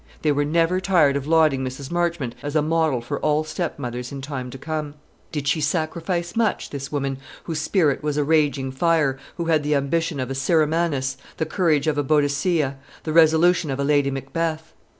They were never tired of lauding Mrs. Marchmont as a model for all stepmothers in time to come. Did she sacrifice much, this woman, whose spirit was a raging fire, who had the ambition of a Semiramis, the courage of a Boadicea, the resolution of a Lady Macbeth?